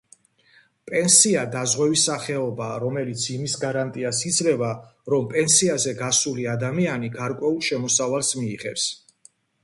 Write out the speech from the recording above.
პენსია დაზღვევის სახეობაა, რომელიც იმის გარანტიას იძლევა, რომ პენსიაზე გასული ადამიანი გარკვეულ შემოსავალს მიიღებს.